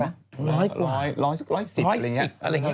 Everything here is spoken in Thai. ๑๐๐กว่า๑๑๐อะไรอย่างนี้อะไรอย่างนี้๑๐๐กว่าร้อยสักร้อยสิบ